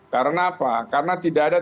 karena apa karena tidak ada